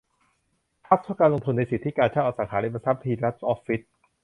ทรัสต์เพื่อการลงทุนในสิทธิการเช่าอสังหาริมทรัพย์ภิรัชออฟฟิศ